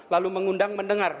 lalu mengundang mendengar